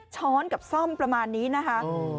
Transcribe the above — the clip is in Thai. ช้อนกับซ่อมประมาณนี้นะคะ